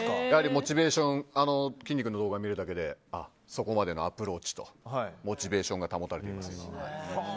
モチベーションきんに君の動画を見るだけでそこまでのアプローチとモチベーションが保たれます。